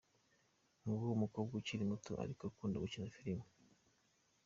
Nguwo umukobwa ukiri muto ariko ukunda gukina filimi.